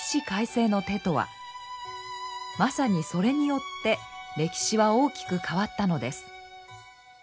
まさにそれによって歴史は大きく変わったのです。